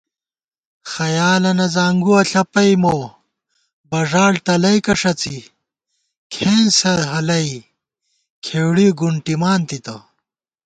خیالَنہ زانگُوَہ ݪَپَئی مو بژاڑتلَئیکہ ݭَڅی کھېنسہ ہلَئی کھېوڑِی گُنٹِمان تِتہ